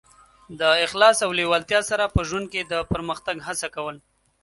د اخلاص او لېوالتیا سره په ژوند کې د پرمختګ هڅه کول.